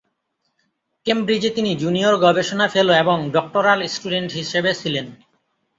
কেমব্রিজে তিনি জুনিয়র গবেষণা ফেলো এবং ডক্টরাল স্টুডেন্ট হিসেবে ছিলেন।